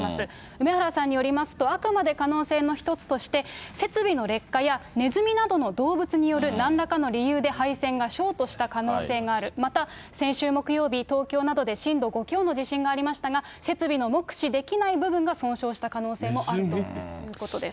梅原さんによりますと、あくまで可能性の一つとして、設備の劣化やネズミなどの動物によるなんらかの理由で配線がショートした可能性がある、また、先週木曜日、東京などで震度５強の地震がありましたが、設備の目視できない部分が損傷した可能性もあるということです。